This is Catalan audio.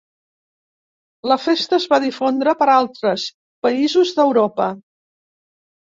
La festa es va difondre per altres països d'Europa.